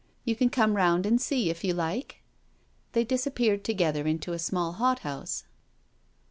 You can come round and see> if you like.*' They disappeared together into a small hot house.